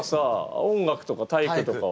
音楽とか体育とかは？